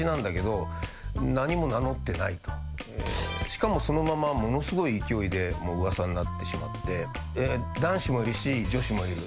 しかもそのままものすごい勢いでもう噂になってしまって。